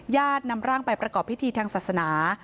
ญาตินำร่างไปประกอบพิธีทางศาสนา